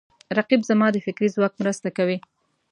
رقیب زما د فکري ځواک مرسته کوي